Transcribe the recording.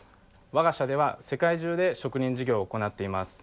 わが社では世界中で植林事業を行っています。